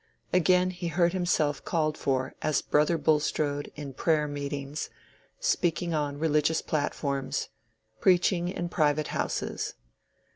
Again he heard himself called for as Brother Bulstrode in prayer meetings, speaking on religious platforms, preaching in private houses.